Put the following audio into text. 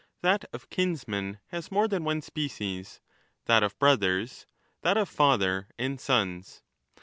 That of kinsmen has more than one species, that of brothers, that of father and sons.